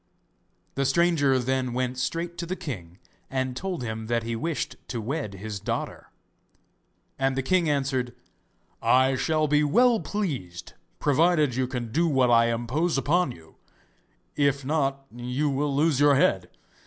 The stranger then went straight to the king, and told him that he wished to wed his daughter. And the king answered: 'I shall be well pleased, provided you can do what I impose upon you; if not you will lose your head.